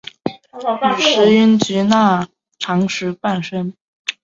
与石英及钠长石伴生。